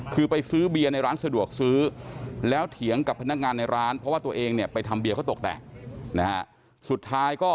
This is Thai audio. ก่อเหตุอยู่ในท้องในที่ศรท